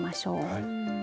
はい。